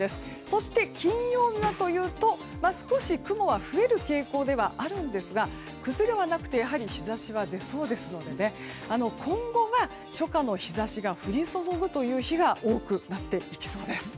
そして金曜日になると少し雲は増える傾向ですが崩れはなくてやはり日差しは出そうですので今後は、初夏の日差しが降り注ぐという日が多くなっていきそうです。